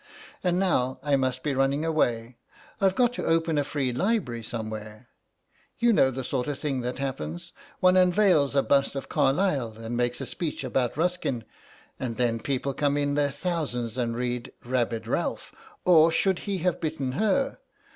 And now I must be running away; I've got to open a Free Library somewhere. You know the sort of thing that happens—one unveils a bust of Carlyle and makes a speech about Ruskin, and then people come in their thousands and read 'Rabid Ralph, or Should he have Bitten Her?